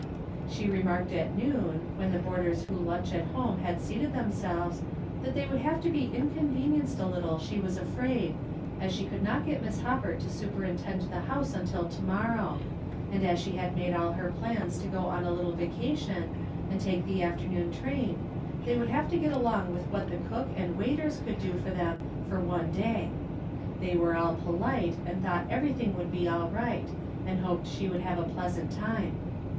She remarked at noon, when the boarders who lunch at home had seated themselves, that they would have to be in convenienced a little she was afraid, as she could not get Miss Hopper to superintend the house until to morrow ; and as she had made all her plans to go on a Httle vacation, and take the afternoon train, they would have to get along with what the cook and waiters could do for them for one day. They were aU polite, and thought every thing would be aU right, and hoped she would have a pleasant time.